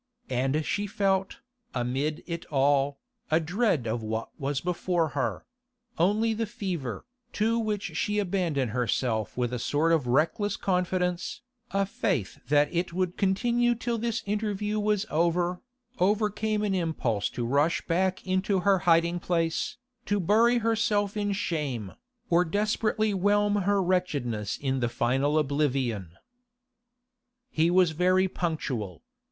And she felt, amid it all, a dread of what was before her; only the fever, to which she abandoned herself with a sort of reckless confidence, a faith that it would continue till this interview was over, overcame an impulse to rush back into her hiding place, to bury herself in shame, or desperately whelm her wretchedness in the final oblivion. ... He was very punctual.